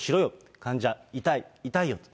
患者、痛い、痛いよ。